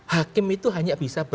hakim itu hanya bisa